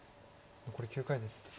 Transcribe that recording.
残り９回です。